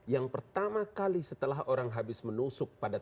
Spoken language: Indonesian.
yang pertama kali setelah orang habis menusuk papan